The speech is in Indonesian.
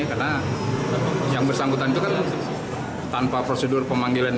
karena yang bersangkutan itu kan tanpa prosedur pemanggilan